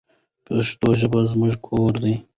پښتو ژبه زموږ کور دی.